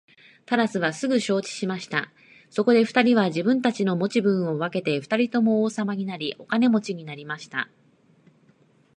タラスはすぐ承知しました。そこで二人は自分たちの持ち物を分けて二人とも王様になり、お金持になりました。